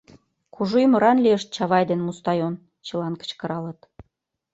— Кужу ӱмыран лийышт Чавай ден Мустай он! — чылан кычкыралыт.